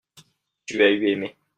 tu as eu aimé.